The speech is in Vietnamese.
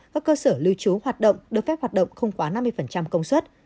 các cơ sở lưu trú hoạt động được phép hoạt động không quá năm mươi công suất